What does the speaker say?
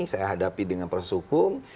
saya hadapi dengan persukung